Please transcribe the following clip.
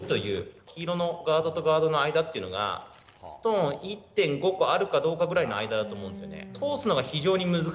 黄色のガードとガードの間がストーン１．５個あるかどうかくらいの間だと思うんです。